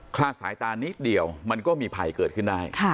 ลาดสายตานิดเดียวมันก็มีภัยเกิดขึ้นได้